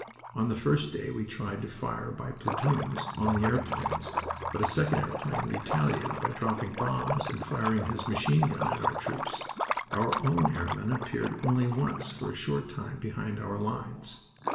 On the first day we tried to fire by platoons on the airplanes, but a second airplane retaliated by dropping bombs and firing his machine gun at our troops. Our own airmen appeared only once for a short time behind our lines.